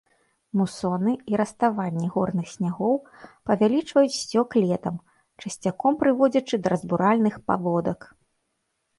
Мусоны і раставанне горных снягоў павялічваюць сцёк летам, часцяком прыводзячы да разбуральным паводак.